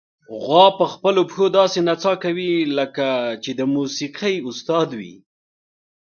غوا په خپلو پښو داسې نڅا کوي، لکه چې د موسیقۍ استاد وي.